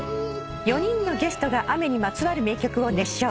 ４人のゲストが雨にまつわる名曲を熱唱。